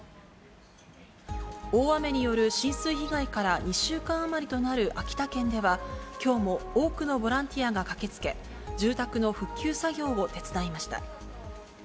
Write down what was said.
大雨による浸水被害から２週間余りとなる秋田県では、きょうも多くのボランティアが駆けつけ、住宅の復旧作業を手伝いました。